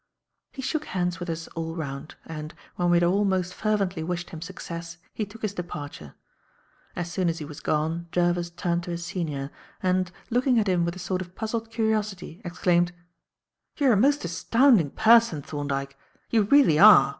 He shook hands with us all round, and, when we had all most fervently wished him success he took his departure. As soon as he was gone, Jervis turned to his senior, and, looking at him with a sort of puzzled curiosity exclaimed: "You are a most astounding person, Thorndyke! You really are!